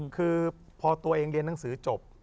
คือพอตัวเองเรียนหนังสือจบ